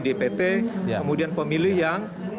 dpt kemudian pemilih yang